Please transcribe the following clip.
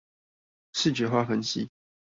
視覺化分析